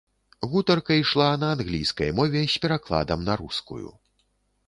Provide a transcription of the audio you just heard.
Гутарка ішла на англійскай мове з перакладам на рускую.